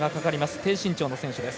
低身長の選手です。